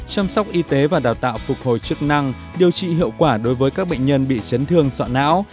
chăm sóc y tế và đào tạo phục hồi chức năng điều trị hiệu quả đối với các bệnh nhân bị chấn thương sọ não